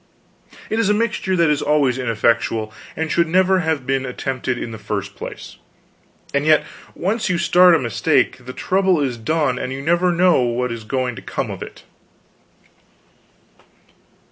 It is a mixture that is always ineffectual, and should never have been attempted in the first place. And yet, once you start a mistake, the trouble is done and you never know what is going to come of it.